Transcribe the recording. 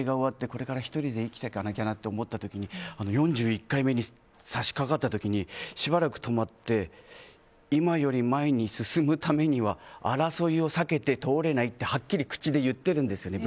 これから１人で生きていかなきゃと思った時に４１回目に差し掛かった時にしばらく止まって今より前に進むためには争いを避けて通れないってはっきり口で言っているんですね。